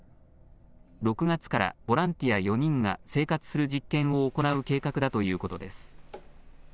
６月からボランティア４人が生活する実験を行う計画だということです。